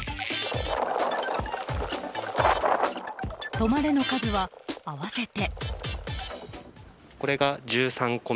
「止まれ」の数は合わせて。